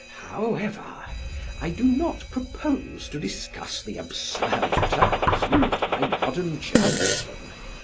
However, I do not propose to discuss the absurd terms used by modern journalism.